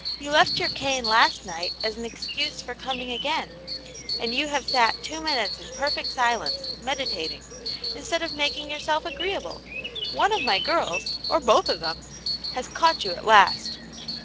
You left your cane last night as an excuse for coming again, and you have sat two minutes in perfect silence, meditating, instead of making yourself agreeable. One of my girls, or both of them, has caught you at last."